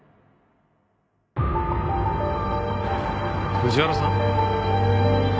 藤原さん？